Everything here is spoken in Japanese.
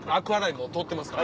もう通ってますから。